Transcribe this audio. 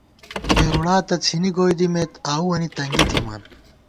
پېرُوڑا تہ څِھنی گوئی دِمېت، آؤوَنی تنگی تھِمان